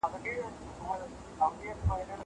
دا امادګي له هغه ګټور دی!!